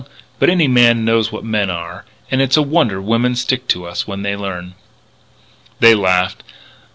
But any man knows what men are. And it's a wonder women stick to us when they learn." They laughed.